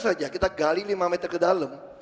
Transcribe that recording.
saja kita gali lima meter ke dalam